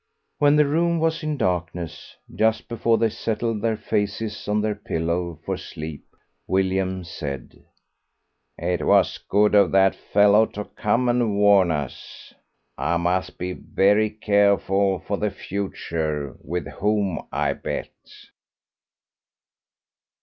When the room was in darkness, just before they settled their faces on the pillow for sleep, William said "It was good of that fellow to come and warn us. I must be very careful for the future with whom I bet."